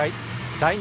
第２